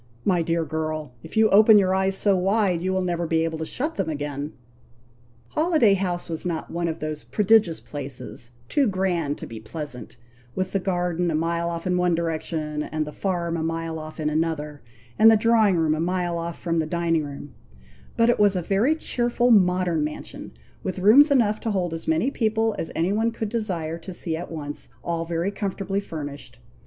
My dear girl, if you open your eyes so wide, you will never be able to shut them again!" Holiday House was not one of those prodigious places, too grand to be pleasant, with the garden a mile off in one direction, and the farm a mile off in another, and the drawing room a mile off from the dining room; but it was a very cheerful modern mansion, with rooms enough to hold as many people as any one could desire to see at once, all very comfortably furnished.